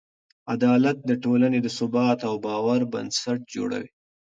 عدالت د ټولنې د ثبات او باور بنسټ جوړوي.